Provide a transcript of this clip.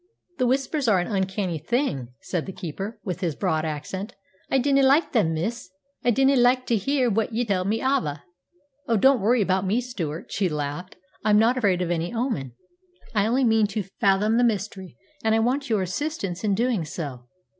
"The Whispers are an uncanny thing," said the keeper, with his broad accent. "I dinna like them, miss; I dinna like tae hear what ye tell me ava." "Oh, don't worry about me, Stewart," she laughed. "I'm not afraid of any omen. I only mean to fathom the mystery, and I want your assistance in doing so.